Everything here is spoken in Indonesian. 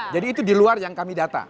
jadi itu di luar yang kami data